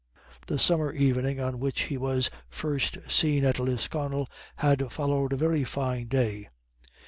The summer evening on which he was first seen at Lisconnel had followed a very fine day.